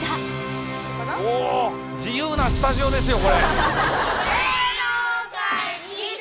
お自由なスタジオですよこれ。